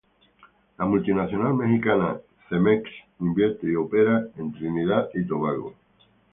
La multinacional mexicana Cemex invierte y opera en Trinidad y Tobago.